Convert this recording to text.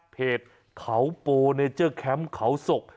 เพจเขาโปเนเจอร์แคมป์เขาศก